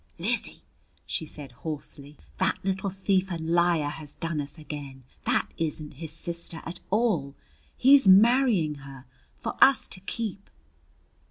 "Lizzie," she said hoarsely, "that little thief and liar has done us again! That isn't his sister at all. He's marrying her for us to keep!"